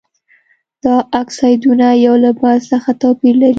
دا اکسایدونه یو له بل څخه توپیر لري.